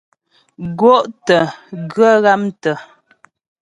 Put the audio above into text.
Gó'tə̂ ghə ghámtə́.